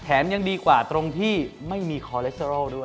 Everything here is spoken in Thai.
ยังดีกว่าตรงที่ไม่มีคอเลสเตอรอลด้วย